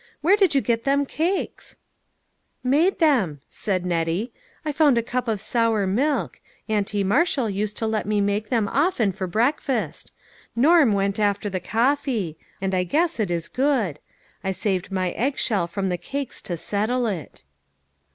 Where did you get them cakes ?"" Made them," said Nettie ;" I found a cup of sour milk ; Auntie Marshall used to let me make them often for breakfast. Norm went after the coffee ; and I guess it is good. I saved my egg shell from the cakes to settle it."